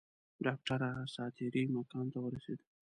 ډاکټره اساطیري مکان ته ورسېده.